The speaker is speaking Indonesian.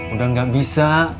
udah gak bisa